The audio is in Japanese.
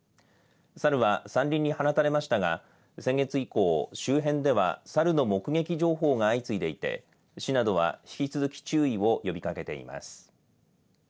サルは山林に放たれましたが先月以降、周辺ではサルの目撃情報が相次いでいて市などは引き続き注意を呼びかけています。